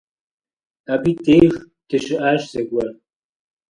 Абы и деж дыщыӏащ зэгуэр.